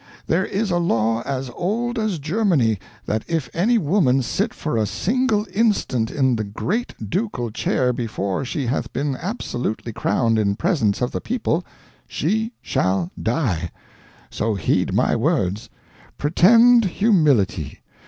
There is a law as old as Germany, that if any woman sit for a single instant in the great ducal chair before she hath been absolutely crowned in presence of the people, SHE SHALL DIE! So heed my words. Pretend humility.